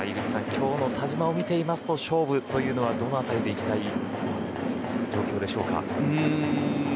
今日の田嶋を見ていると勝負というのはどの辺りで行きたい状況ですか。